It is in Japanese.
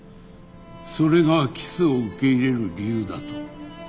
それがキスを受け入れる理由だと？